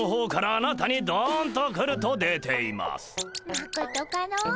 まことかの？